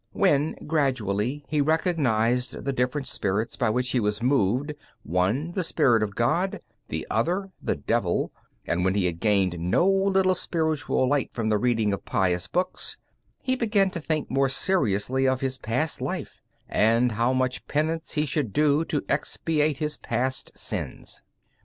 When gradually he recognized the different spirits by which he was moved, one, the spirit of God, the other, the devil, and when he had gained no little spiritual light from the reading of pious books, he began to think more seriously of his past life, and how much penance he should do to expiate his past sins.